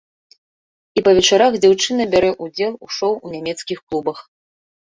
І па вечарах дзяўчына бярэ ўдзел у шоў у нямецкіх клубах.